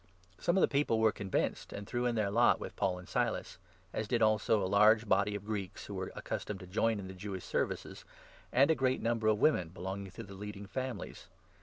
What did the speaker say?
Some of the people were convinced, and threw in their lot with 4 Paul and Silas, as did also a large body of Greeks who were accustomed to join in the Jewish services, and a great number of women belonging to the leading families.